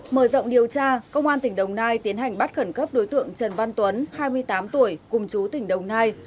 mở rộng điều tra công an tỉnh đồng nai tiến hành bắt khẩn cấp đối tượng trần văn tuấn hai mươi tám tuổi cùng chú tỉnh đồng nai